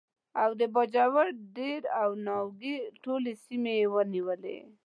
او د باجوړ، دیر او ناوګۍ ټولې سیمې یې ونیولې.